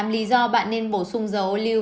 tám lý do bạn nên bổ sung dầu ô lưu